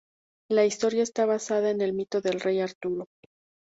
La historia está basada en el mito del Rey Arturo.